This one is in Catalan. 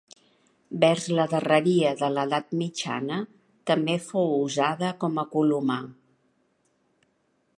Vers la darreria de l'edat mitjana també fou usada com a colomar.